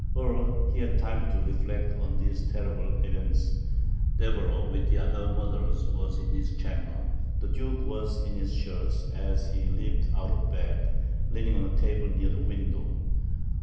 Ere he had time to reflect on these terrible events, Deveroux, with the other murderers, was in his chamber. The Duke was in his shirt, as he had leaped out of bed, and leaning on a table near the window.